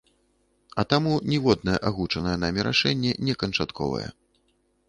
А таму ніводнае агучанае намі рашэнне не канчатковае.